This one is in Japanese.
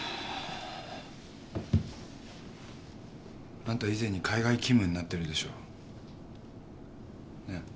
あんた以前に海外勤務になってるでしょ。ねぇ？